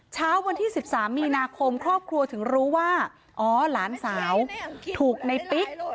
เช้าวันที่๑๓มีนาคมครอบครัวถึงรู้ว่าอ๋อหลานสาวถูกในปิ๊ก